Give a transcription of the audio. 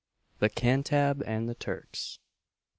THE CANTAB AND THE TURKS.